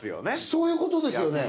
そういうことですよね。